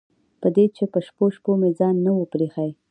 په دې چې په شپو شپو مې ځان نه و پرېښی.